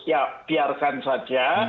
ya biarkan saja